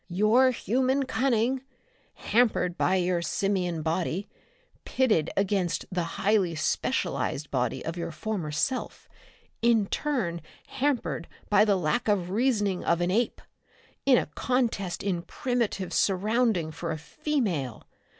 "Your human cunning, hampered by your simian body, pitted against the highly specialized body of your former self, in turn hampered by the lack of reasoning of an ape in a contest in primitive surrounding for a female!